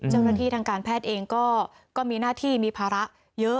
เจ้าหน้าที่ทางการแพทย์เองก็มีหน้าที่มีภาระเยอะ